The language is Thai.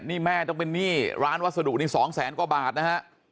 นี่แม่ต้องเป็นหนี้ร้านวัสดุนี่๒แสนกว่าบาทนะฮะ